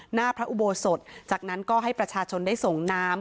หน้าพระอุโบสถจากนั้นก็ให้ประชาชนได้ส่งน้ำ